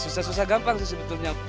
susah susah gampang sih sebetulnya